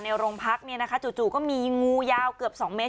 ในโรงพักษณ์นี้นะคะจู่ก็มีงูยาวเกือบสองเมตร